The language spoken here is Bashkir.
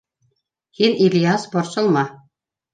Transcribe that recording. — Һин, Ильяс, борсолма.